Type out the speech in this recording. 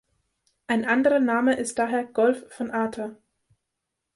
Ein anderer Name ist daher "Golf von Arta".